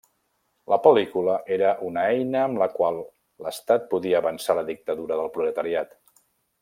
La pel·lícula era una eina amb la qual l'estat podia avançar la dictadura del proletariat.